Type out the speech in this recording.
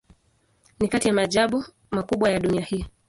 Ni kati ya maajabu makubwa ya dunia hii.